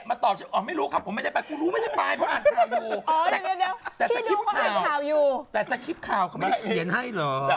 ไม่ใช่พ่อคุณแม่ฉะนี่ฉะนั้นก็ไม่เคยไป